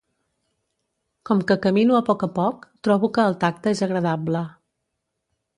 Com que camino a poc a poc, trobo que el tacte és agradable.